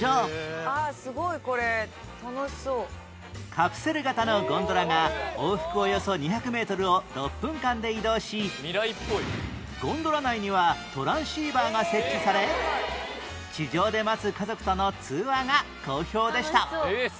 カプセル形のゴンドラが往復およそ２００メートルを６分間で移動しゴンドラ内にはトランシーバーが設置され地上で待つ家族との通話が好評でした